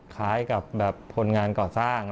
คล้ายกับคนงานก่อสร้าง